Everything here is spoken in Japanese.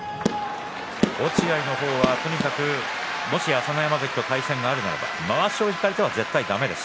落合の方はとにかく朝乃山関と対戦があるならまわしを引かれたら絶対だめです